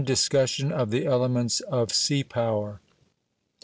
DISCUSSION OF THE ELEMENTS OF SEA POWER.